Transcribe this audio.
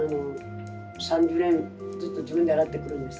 ３０年ずっと自分で洗ってくるんです。